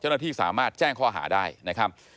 ประทริปสรรพย์แช่งข้อหาได้นะครับ